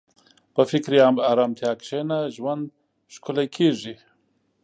په فکري ارامتیا کښېنه، ژوند ښکلی کېږي.